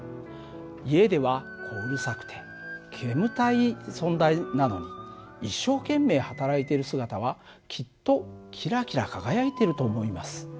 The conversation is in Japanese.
家ではこうるさくて煙たい存在なのに一生懸命働いている姿はきっとキラキラ輝いていると思います。